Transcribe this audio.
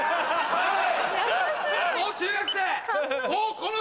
はい！